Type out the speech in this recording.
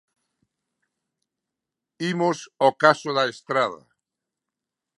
Imos ao caso da Estrada.